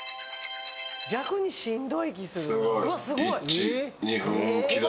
逆にしんどい気する。